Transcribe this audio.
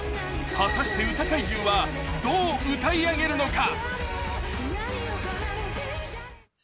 果たして歌怪獣はどう歌い上げるのか！？